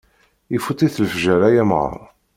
Ifut-ik lefjer ay amɣar.